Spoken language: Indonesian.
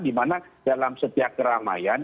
di mana dalam setiap keramaian